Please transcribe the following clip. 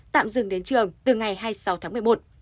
tạm dừng đến trường từ ngày hai mươi sáu tháng một mươi một